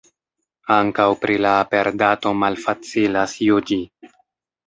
Ankaŭ pri la aperdato malfacilas juĝi.